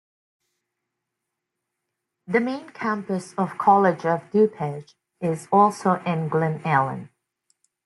The main campus of College of DuPage is also in Glen Ellyn.